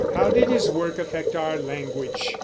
How did his work affect our language?